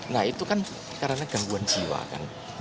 nah itu kan karena gangguan jiwa kan